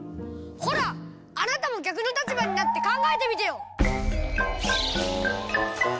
ほらあなたも逆の立場になってかんがえてみてよ！